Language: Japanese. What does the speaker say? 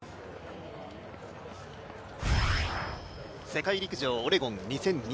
世界陸上オレゴン２０２２。